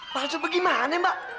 palsu bagaimana mbak